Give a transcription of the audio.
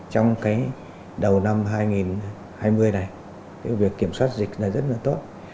trong đầu năm hai nghìn hai mươi này việc kiểm soát dịch rất là tốt